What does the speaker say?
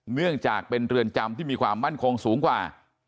เนื่องจากเป็นเรือนจำที่มีความมั่นคงสูงกว่า